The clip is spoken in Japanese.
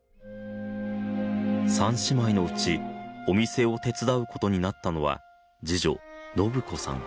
三姉妹のうちお店を手伝うことになったのは次女信子さん